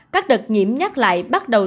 các đợt nhiễm nhắc lại bắt đầu